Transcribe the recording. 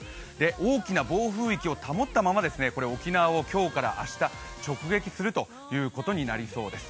大きな暴風域を保ったまま沖縄を今日から明日直撃するということになりそうです。